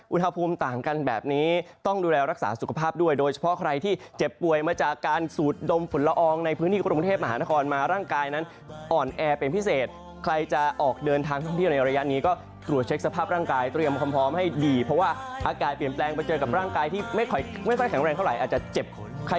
อุณหภูมิต่างกันแบบนี้ต้องดูแลรักษาสุขภาพด้วยโดยเฉพาะใครที่เจ็บป่วยมาจากการสูดดมฝุ่นละอองในพื้นที่กรุงเทพมหานครมาร่างกายนั้นอ่อนแอเป็นพิเศษใครจะออกเดินทางท่องเที่ยวในระยะนี้ก็ตรวจเช็คสภาพร่างกายเตรียมความพร้อมให้ดีเพราะว่าอากาศเปลี่ยนแปลงไปเจอกับร่างกายที่ไม่ค่อยแข็งแรงเท่าไหร่อาจจะเจ็บ